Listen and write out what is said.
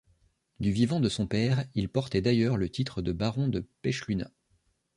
Du vivant de son père, il portait d'ailleurs le titre de baron de Pechluna.